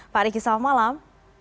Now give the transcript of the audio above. pak riki selamat malam